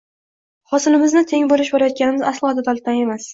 Hosilimizni teng bo`lishib olayotganimiz aslo adolatdan emas